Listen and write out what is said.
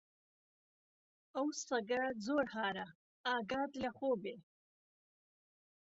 ئەو سەگە زۆر هارە، ئاگات لە خۆ بێ!